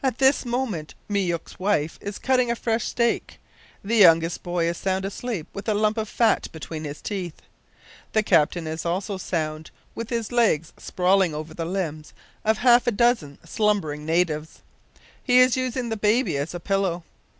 At this moment Myouk's wife is cutting a fresh steak. The youngest boy is sound asleep with a lump of fat between his teeth. The captain is also sound, with his legs sprawling over the limbs of half a dozen slumbering natives. He is using the baby as a pillow.